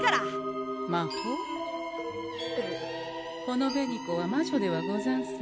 この紅子は魔女ではござんせん。